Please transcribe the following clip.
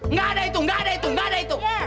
nggak ada itu nggak ada itu nggak ada itu